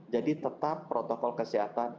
jadi tetap protokol kesehatan